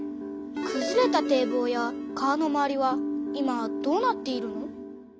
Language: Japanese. くずれた堤防や川の周りは今どうなっているの？